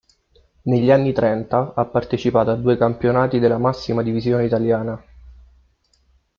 Negli anni trenta, ha partecipato a due campionati della massima divisione italiana.